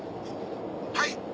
はい。